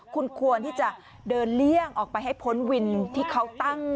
คุณควรที่จะเดินเลี่ยงออกไปให้พ้นวินที่เขาตั้ง